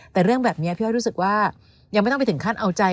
แต่เรื่องแบบนี้พี่อ้อยรู้สึกว่ายังไม่ต้องไปถึงขั้นเอาใจ